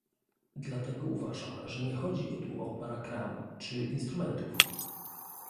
Dlatego uważam, że nie chodzi tu o brak ram, czy instrumentów